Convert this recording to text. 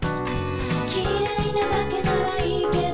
「きれいなだけならいいけど」